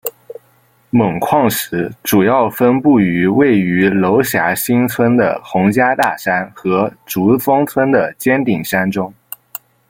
锰矿石主要分布于位于娄霞新村的洪家大山和竹峰村的尖顶山中。